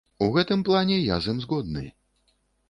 У гэтым плане я з ім згодны.